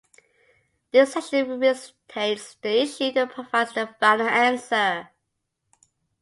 This section restates the issue and provides the final answer.